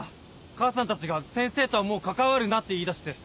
母さんたちが先生とはもう関わるなって言い出して。